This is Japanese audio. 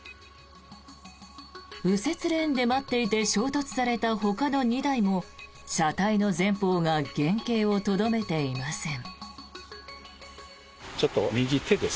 右折レーンで待っていて衝突されたほかの２台も車体の前方が原形をとどめていません。